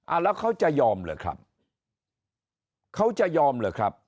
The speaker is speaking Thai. อ่ะแล้วเค้าจะยอมเลยเหรอครับเค้าจะยอมเลยครับ